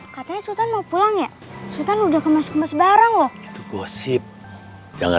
katanya sultan mau pulang ya sultan udah kemas kemas barang loh gosip jangan